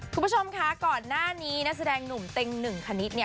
คุณผู้ชมคะก่อนหน้านี้นักแสดงหนุ่มเต็งหนึ่งคณิตเนี่ย